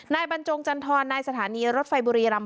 นายบัญจงจันทรในสถานีรถไฟบุรีรำ